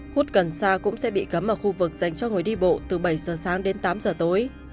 hút cần xa cũng sẽ bị cấm ở khu vực dành cho người đi bộ từ bảy giờ sáng đến tám giờ tối